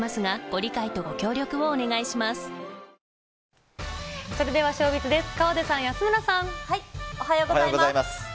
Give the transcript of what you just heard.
おはようございます。